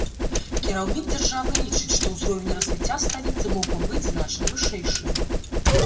Кіраўнік дзяржавы лічыць, што ўзровень развіцця сталіцы мог бы быць значна вышэйшым.